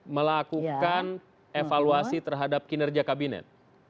melakukan evaluasi terhadap kinerja kabinet